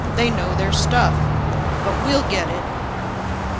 They know their stuff. But we'll get it."